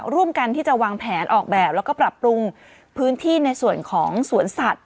ร่วมกันที่จะวางแผนออกแบบแล้วก็ปรับปรุงพื้นที่ในส่วนของสวนสัตว